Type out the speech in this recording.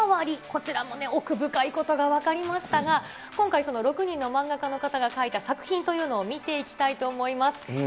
こちらもね、奥深いことが分かりましたが、今回、６人の漫画家の方が描いた作品というのを見ていきたいと思います。